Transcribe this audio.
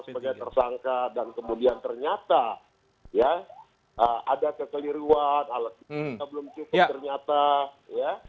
sebagai tersangka dan kemudian ternyata ya ada kekeliruan alat belum cukup ternyata ya